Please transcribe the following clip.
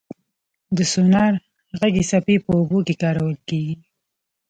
د سونار غږي څپې په اوبو کې کارول کېږي.